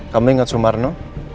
kamu ingat sumarno